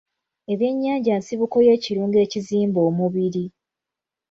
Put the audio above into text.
Ebyennyanja nsibuko y'ekirungo ekizimba omubiri.